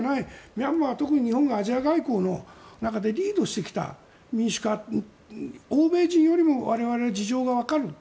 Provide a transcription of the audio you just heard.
ミャンマー、特に日本がアジア外交の中でリードしてきた欧米人よりも我々は事情がわかる。